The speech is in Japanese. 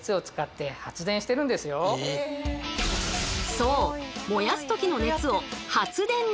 そう！